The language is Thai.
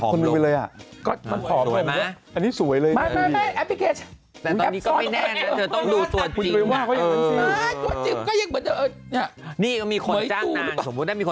เปลี่ยนนางไปทำใหม่นางก็เป็นทำใหม่อีก